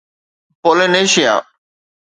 Polynesia